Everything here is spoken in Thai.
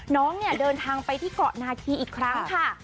น้องเนี่ยเดินทางไปที่เกาะนาคีอีกครั้งค่ะ